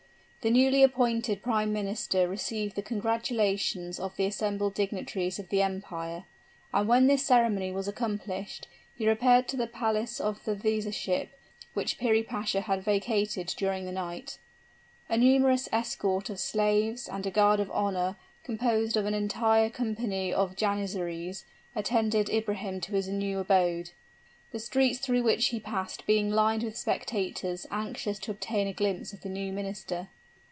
The newly appointed prime minister received the congratulations of the assembled dignitaries of the empire; and when this ceremony was accomplished, he repaired to the palace of the viziership, which Piri Pasha had vacated during the night. A numerous escort of slaves, and a guard of honor, composed of an entire company of Janizaries, attended Ibrahim to his new abode, the streets through which he passed being lined with spectators anxious to obtain a glimpse of the new minister.